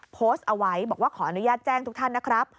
โพสต์เอาไว้บอกว่าขออนุญาตแจ้งทุกท่านนะครับ